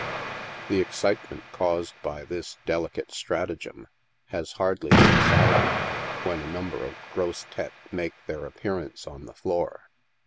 The excitement caused by this " delicate stratagem" has hardly subsided, when a number of grosses tttes make their appearance on the floor.